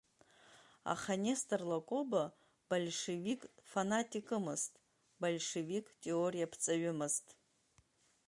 Аха Нестор Лакоба большевик-фанатикымызт, большевик-теориаԥҵаҩымызт.